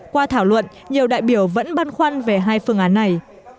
qua thảo luận nhiều đại biểu vẫn băn khoăn về hai phương án này